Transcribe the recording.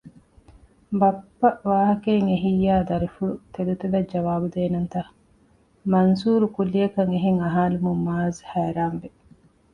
ބައްޕަ ވާހަކައެއް އެހިއްޔާ ދަރިފުޅު ތެދުތެދަށް ޖަވާބު ދޭނަންތަ؟ މަންސޫރު ކުއްލިއަކަށް އެހެން އަހާލުމުން މާޒް ހައިރާންވި